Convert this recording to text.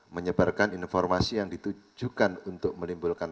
menyebarkan informasi yang ditujukan untuk menimbulkan